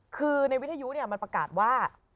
คือวิทยุเนี่ยมันประกาศว่า